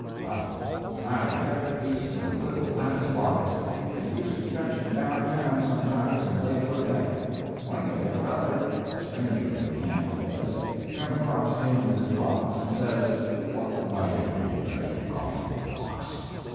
"Well, Smiley kep' the beast in a little lattice box, and he used to fetch him down town sometimes and lay for a bet. One day a feller a stranger in the camp, he was come acrost him with his box, and says: "'What might it be that you've got in the box?'